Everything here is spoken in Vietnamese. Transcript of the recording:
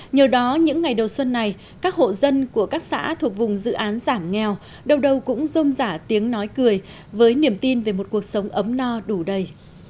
nhờ đó những ngày đầu xuân này các hộ dân của các xã thuộc vùng dự án giảm nghèo đâu đầu đầu cũng rôm giả tiếng nói cười với niềm tin về một cuộc sống ấm no đủ đầy